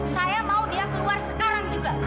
saya mau dia keluar sekarang juga